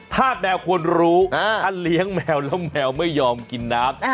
ถ้าแมวควรรู้ถ้าเลี้ยงแมวแล้วแมวไม่ยอมกินน้ำ